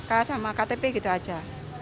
k sama ktp gitu aja